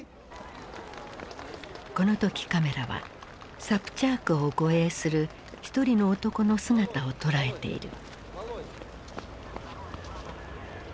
この時カメラはサプチャークを護衛する一人の男の姿を捉えている。